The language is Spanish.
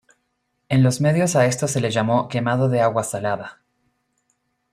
En los medios a esto se le llamó quemado de agua salada.